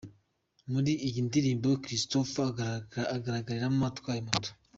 Muri iyi ndirimbo Christopher agaragaramo atwaye moto.